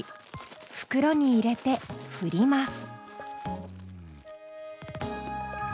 袋に入れてふります。